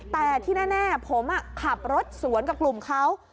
แต่ที่แน่ผมขับรถสวนกับกลุ่มเขา